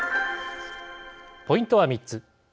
ポイントは３つ。